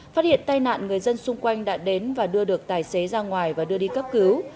phát hiện tai nạn người dân xung quanh đã đến và đưa được tài xế ra ngoài và đưa đi cấp cứu